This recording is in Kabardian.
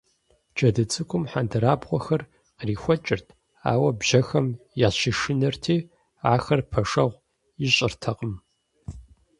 Джэду цӏыкӏум хьэндырабгъуэхэр кърихуэкӀырт, ауэ бжьэхэм ящышынэрти, ахэр пэшэгъу ищӀыртэкъым.